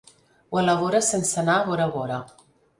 Ho elabora sense anar a Bora Bora.